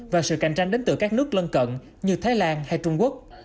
và sự cạnh tranh đến từ các nước lân cận như thái lan hay trung quốc